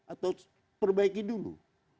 atau perbaiki dulu